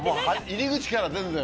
入り口から全然。